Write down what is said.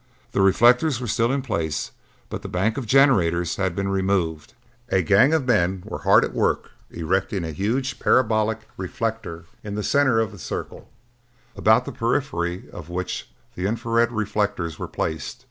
The reflectors were still in place, but the bank of generators had been removed. A gang of men were hard at work erecting a huge parabolic reflector in the center of the circle, about the periphery of which the infra red reflectors were placed.